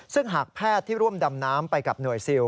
ซึ่งหากแพทย์ที่ร่วมดำน้ำไปกับหน่วยซิล